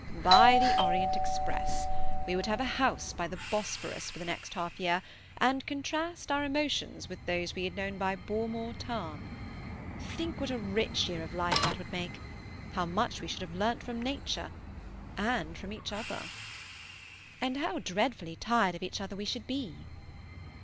"By the Orient Express. We would have a house by the Bosphorus for the next half year, and contrast our emotions with those we had known by Burmoor Tarn. Think what a rich year of life that would make! How much we should have learnt from nature and from each other!" "And how dreadfully tired of each other we should be!"